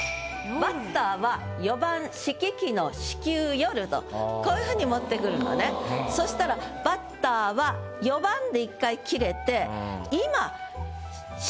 「バッターは四番子規忌の四球選る」とこういうふうに持ってくるのねそしたら「バッターは四番」で１回切れて。